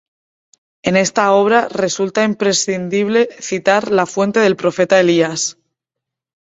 En esta obra resulta imprescindible citar la Fuente del profeta Elías.